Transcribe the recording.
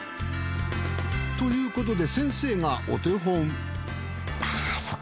ということで先生がお手本。